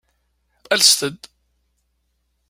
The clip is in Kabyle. Alset-d.